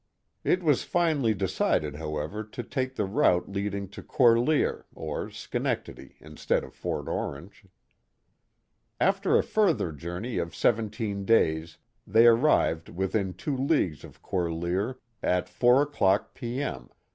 It was finally decided, however, to take the route leading to Corlear, or Schenectady, instead of Fort Orange. After a further journey of seventeen days they arrived within two leagues of Corlear at four o'clock P.M.